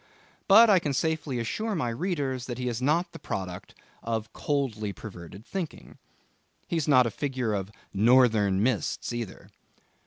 But I can safely assure my readers that he is not the product of coldly perverted thinking. He's not a figure of Northern Mists either.